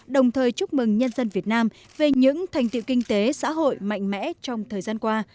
đồng thời chúc mừng nhân dân việt nam về những thành tiệu kinh tế xã hội mạnh mẽ trong thời gian qua